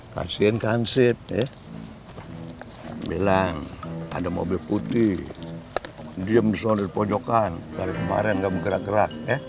kasihan kansip ya bilang ada mobil putih diam disana di pojokan dari kemarin gak bergerak gerak